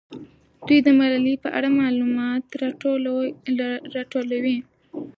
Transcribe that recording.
دوی د ملالۍ په اړه معلومات راټولوي.